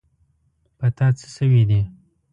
په تا څه شوي دي.